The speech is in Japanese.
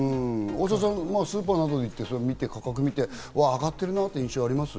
大沢さん、スーパーなどに行って見て価格を見て上がってるなっていう印象はあります？